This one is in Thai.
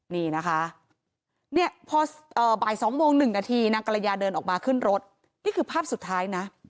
นี่นะคะพอบ่ายสองโมงหนึ่งนาทีนางกะระยาเดินออกมาขึ้นรถนี่คือภาพสุดท้ายนะ